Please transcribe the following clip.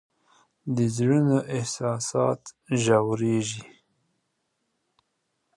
د زړونو احساسات ژورېږي